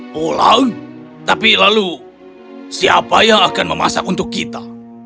pulang tapi lalu siapa yang akan memasak untuk kita